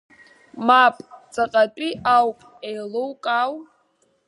Мап, ҵаҟатәи ауп, еилукаау?